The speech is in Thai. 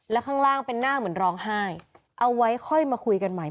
แล้วข้างล่างเป็นหน้าเหมือนร้องไห้เอาไว้ค่อยมาคุยกันใหม่